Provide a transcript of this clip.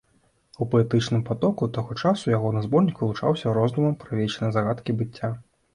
У паэтычным патоку таго часу ягоны зборнік вылучаўся роздумам пра вечныя загадкі быцця.